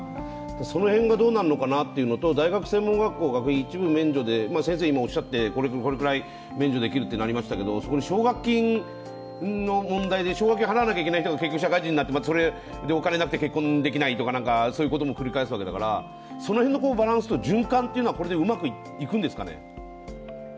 その辺がどうなるのかなというのと、大学専門学校の学費が一部免除とありますけどこれくらい免除できますというのがありましたけど奨学金の問題で、奨学金を払わなきゃいけない人が借金で苦しむとか、そういうことも繰り返すわけだからその辺のバランスと循環がこれでうまくいくんですかね？